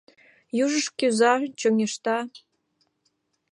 Южыш кӱза, чоҥешта